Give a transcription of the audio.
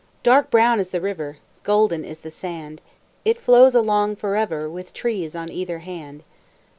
Dark brown is the river, Golden is the sand, It flows along forever, With trees on either hand.